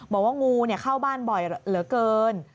บอกว่างูเข้าบ้านบ่อยเหลือเกิน